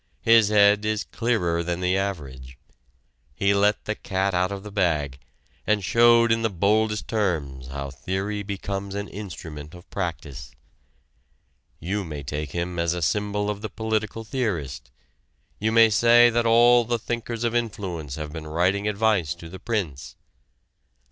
His head is clearer than the average. He let the cat out of the bag and showed in the boldest terms how theory becomes an instrument of practice. You may take him as a symbol of the political theorist. You may say that all the thinkers of influence have been writing advice to the Prince.